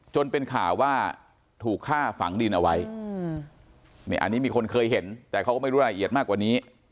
จนเป็นข่าวว่าถูกฆ่าฝังดินเอาไว้อันนี้มีคนเคยเห็นแต่เขาก็ไม่รู้รายละเอียดมากกว่านี้